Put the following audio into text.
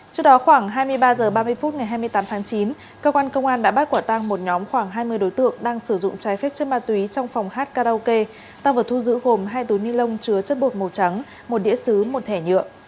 trước đó khoảng hai mươi ba h ba mươi phút ngày hai mươi tám tháng chín cơ quan công an đã bắt quả tăng một nhóm khoảng hai mươi đối tượng đang sử dụng trái phép chất ma túy trong phòng hát karaoke tăng vật thu giữ gồm hai túi ni lông chứa chất bột màu trắng một đĩa xứ một thẻ nhựa